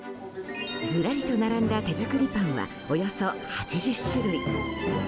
ずらりと並んだ手作りパンはおよそ８０種類。